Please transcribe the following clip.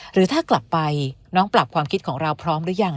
หรือถ้ากลับไปน้องปรับความคิดของเราพร้อมหรือยัง